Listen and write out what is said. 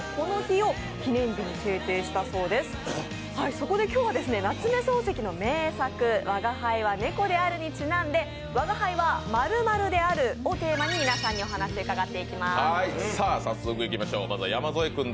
そこで今日は夏目漱石の名作、「吾輩は猫である」にちなんで「吾輩は○○である」をテーマに皆さんにお話を伺っていきます。